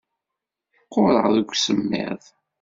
Qquṛeɣ deg usemmiḍ.